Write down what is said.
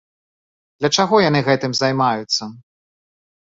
Для чаго яны гэтым займаюцца?